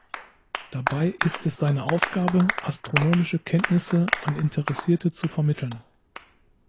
Dabei ist es seine Aufgabe, astronomische Kenntnisse an Interessierte zu vermitteln.